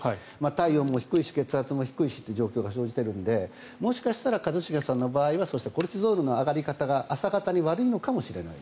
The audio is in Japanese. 体温も血圧も低いという状況が起きているのでもしかしたら一茂さんの場合はコルチゾールの上がり方が朝方に悪いのかもしれない。